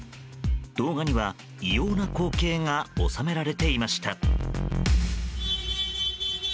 動画には異様な光景が収められていました。